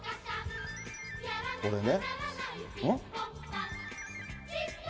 これね。